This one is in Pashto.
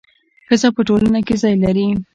ښځه په ټولنه کي ځانګړی ځای لري.